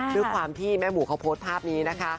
ด้วยความที่แม่หมูเขาโพสต์ภาพนี้นะคะ